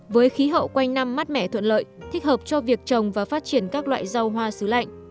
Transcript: với khí hậu quanh năm mát mẻ thuận lợi thích hợp cho việc trồng và phát triển các loại rau hoa xứ lạnh